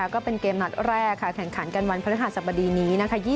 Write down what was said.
ก็เป็นเกมนัดแรกแข่งขันกันวันพัฒนธาตุสักประดีนี้